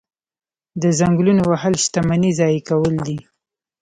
د ځنګلونو وهل شتمني ضایع کول دي.